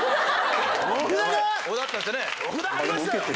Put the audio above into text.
お札貼りましたよ。